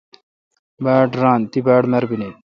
باڑ ران۔ تی باڑمربینی۔